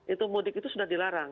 itu mudik itu sudah dilarang